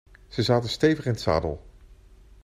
Ze zaten stevig in het zadel.